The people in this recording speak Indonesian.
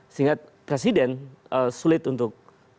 sehingga presiden sulit untuk